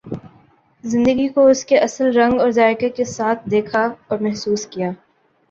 زندگی کو اس کے اصل رنگ اور ذائقہ کے ساتھ دیکھا اور محسوس کیا۔